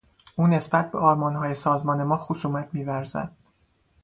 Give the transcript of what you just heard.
او نسبت به آرمانهای سازمان ما خصومت میورزد.